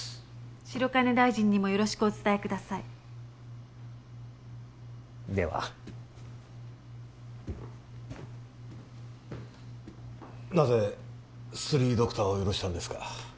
白金大臣にもよろしくお伝えくださいではなぜ３ドクターを許したんですか？